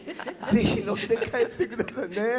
ぜひ、飲んで帰ってくださいね。